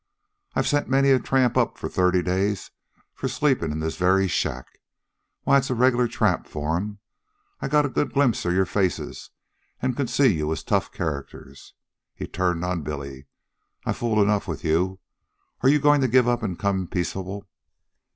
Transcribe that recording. I've sent many a tramp up for thirty days for sleepin' in this very shack. Why, it's a regular trap for 'em. I got a good glimpse of your faces an' could see you was tough characters." He turned on Billy. "I've fooled enough with you. Are you goin' to give in an' come peaceable?"